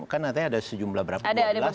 kan ada sejumlah berapa